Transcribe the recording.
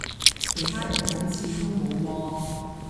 其他人好似都冇喎